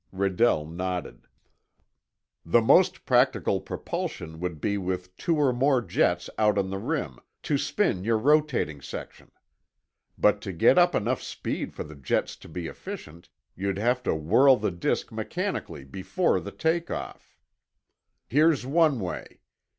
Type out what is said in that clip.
Redell nodded. "The most practical propulsion would be with two or more jets out on the rim, to spin your rotating section. But to get up enough speed for the jets to be efficient, you'd have to whirl the disk mechanically before the take off. Here's one way.